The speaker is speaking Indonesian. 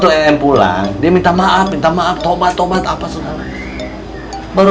kum kemarin kan waktu em pulang dia minta maaf minta maaf tobat tobat apa sudah baru